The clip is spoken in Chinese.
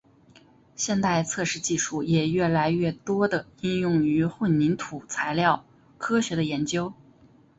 现代测试技术也越来越多地应用于混凝土材料科学的研究。